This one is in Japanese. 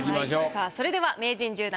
さあそれでは名人１０段